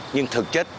nhưng thực chất